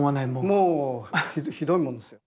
もうひどいもんですよ。